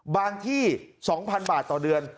ที่๒๐๐๐บาทต่อเดือน